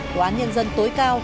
tòa án nhân dân tối cao